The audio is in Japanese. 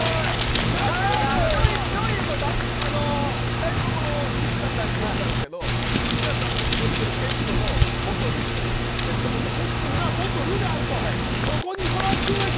最初、日村さんが見えたんですけど、日村さんが連れているペットのボトルで、ペットボトル。